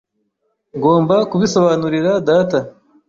Ngomba kubisobanurira data.